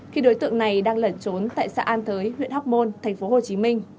khi đối tượng này đang lẩn trốn tại xã an thới huyện hóc môn tp hcm